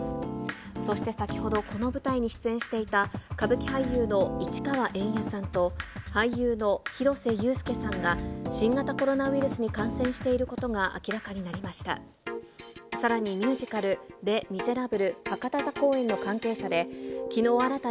そして先ほど、この舞台に出演していた歌舞伎俳優の市川猿弥さんと、俳優の廣瀬ゆうすけさんが、新型コロナウイルスに感染していることが明らかになりました。